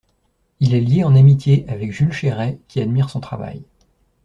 Il est lié en amitié avec Jules Chéret qui admire son travail.